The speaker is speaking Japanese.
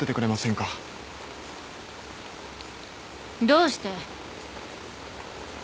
どうして？